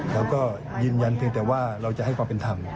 เราก็ยืนยันเพียงแต่ว่าเราจะให้ความเป็นธรรม